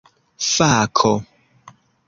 fako